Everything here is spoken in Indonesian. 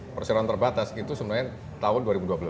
persiruan terbatas itu sebenarnya tahun dua ribu dua belas